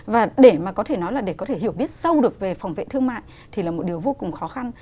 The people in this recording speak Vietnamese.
và để mà có thể nói là để có thể hiểu biết sâu được về phòng vệ thương mại thì là một điều vô cùng khó khăn